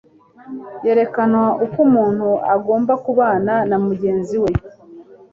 yerekana uko ununtu agomba kubana na mugenzi we.